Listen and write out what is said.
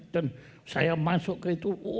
dan saya masuk ke itu